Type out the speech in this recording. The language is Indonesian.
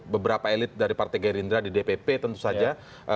beberapa elit dari partai gerindra di dpp tentu saja